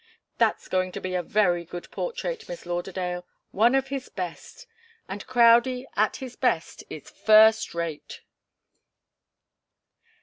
That's going to be a very good portrait, Miss Lauderdale one of his best. And Crowdie, at his best, is first rate."